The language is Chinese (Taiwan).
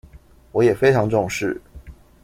我也非常重視